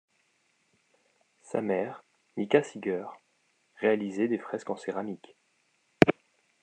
Sa mère, Mika Seeger, réalisait des fresques en céramique.